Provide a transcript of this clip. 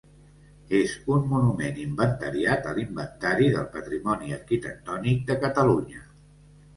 És un monument inventariat a l'Inventari del Patrimoni Arquitectònic de Catalunya.